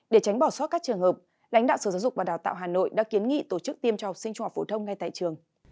để tránh bỏ sót các trường hợp lãnh đạo sở giáo dục và đào tạo hà nội đã kiến nghị tổ chức tiêm cho học sinh trung học phổ thông ngay tại trường